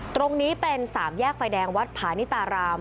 ตรงนี้เป็นสามแยกไฟแดงวัดผานิตาราม